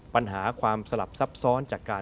ปัญหาความสลับซับซ้อนจากการ